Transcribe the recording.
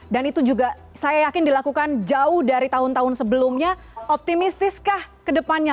dan itu juga saya yakin dilakukan jauh dari tahun tahun sebelumnya optimistiskah ke depannya